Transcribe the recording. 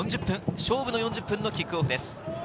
勝負の４０分のキックオフです。